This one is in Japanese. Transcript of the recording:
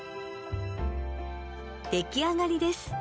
出来上がりです。